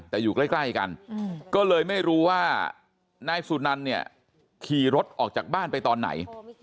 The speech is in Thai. แต่อยู่ใกล้กันก็เลยไม่รู้ว่านายสุนันเนี่ยขี่รถออกจากบ้านไปตอนไหน